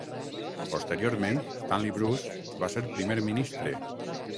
Posteriorment, Stanley Bruce va ser primer ministre.